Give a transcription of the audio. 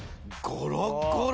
ゴロッゴロ！